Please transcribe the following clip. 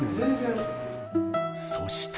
そして。